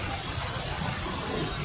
kota yang terkenal dengan